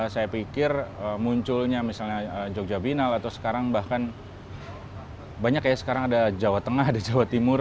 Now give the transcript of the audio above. saya pikir munculnya misalnya jogja binal atau sekarang bahkan banyak ya sekarang ada jawa tengah ada jawa timur